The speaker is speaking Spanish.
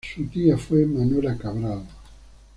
Su tía fue Manuela Cabral.